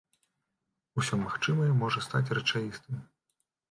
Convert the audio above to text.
Усё магчымае можа стаць рэчаісным.